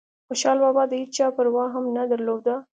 خوشحال بابا دهيچا پروا هم نه درلوده